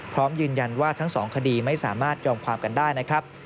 พร้อมยืนยันว่าทั้งสองคดีไม่สามารถยอมความกันได้นะครับ